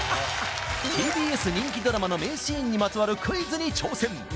ＴＢＳ人気ドラマの名シーンにまつわるクイズに挑戦